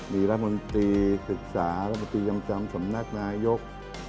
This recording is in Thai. มีรัฐมนตรีศึกษารัฐมนตรียังจำสำนักนายก